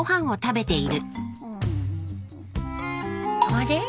あれ？